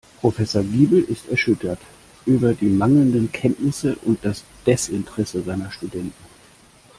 Professor Giebel ist erschüttert über die mangelnden Kenntnisse und das Desinteresse seiner Studenten.